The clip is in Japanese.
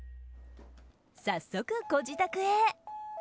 早速、ご自宅へ。